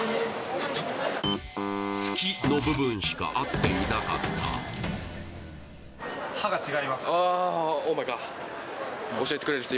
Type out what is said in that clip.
「月」の部分しかあっていなかったあっ